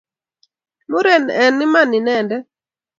Muren eng' iman inendet.